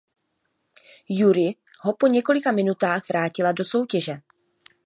Jury ho po několika minutách vrátila do soutěže.